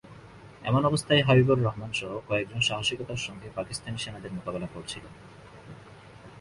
এমন অবস্থায় হাবিবুর রহমানসহ কয়েকজন সাহসিকতার সঙ্গে পাকিস্তানি সেনাদের মোকাবিলা করছিলেন।